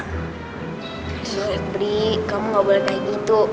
bisa bri kamu nggak boleh kayak gitu